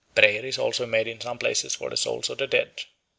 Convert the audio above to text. Prayer is also made in some places for the souls of the dead.